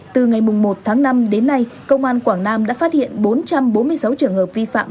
từ ngày một tháng năm đến nay công an quảng nam đã phát hiện bốn trăm bốn mươi sáu trường hợp vi phạm